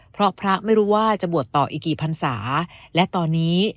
เพราะพระไม่รู้ว่าจะบวชต่ออีกกี่พันศาและตอนนี้